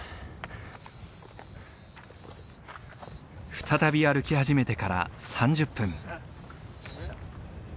再び歩き始めてから３０分。